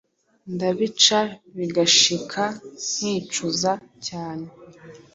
Ndabica bigashika nkicuza cyane